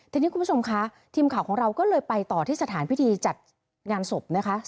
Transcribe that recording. ทีนี้คุณผู้ชมคะทีมข่าวของเราก็เลยไปต่อที่สถานพิธีจัดงานศพนะคะ